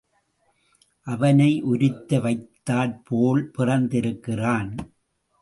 அவனை உரித்து வைத்தாற்போல் பிறந்திருக்கிறான்.